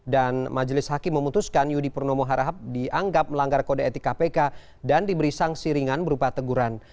dan majelis hakim memutuskan yudi purnomo harahap dianggap melanggar kode etik kpk dan diberi sangsiringan berupa teguran